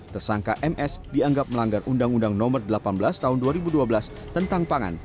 tersangka ms dianggap melanggar undang undang nomor delapan belas tahun dua ribu dua belas tentang pangan